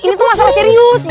ini tuh masalah serius